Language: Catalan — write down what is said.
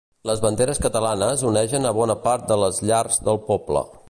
Les banderes catalanes onegen a bona part de les llars del poble.